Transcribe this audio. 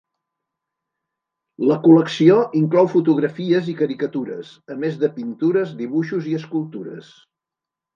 La col·lecció inclou fotografies i caricatures, a més de pintures, dibuixos i escultures.